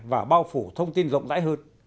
và bao phủ thông tin rộng rãi hơn